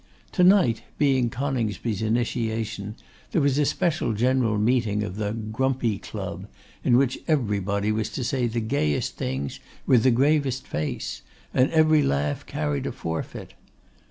To night, being Coningsby's initiation, there was a special general meeting of the Grumpy Club, in which everybody was to say the gayest things with the gravest face, and every laugh carried a forfeit.